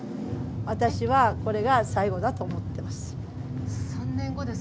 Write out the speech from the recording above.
私はこれが最後だと思っています。